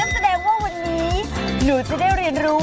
แสดงว่าวันนี้หนูจะได้เรียนรู้